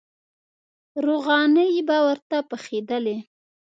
روغانۍ به ورته پخېدلې.